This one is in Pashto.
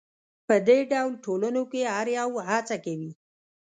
په دې ډول ټولنو کې هر یو هڅه کوي.